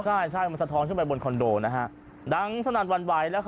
ใช่ใช่มันสะท้อนขึ้นไปบนคอนโดนะฮะดังสนั่นวันไหว